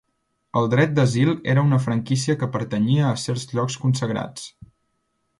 El dret d'asil era una franquícia que pertanyia a certs llocs consagrats.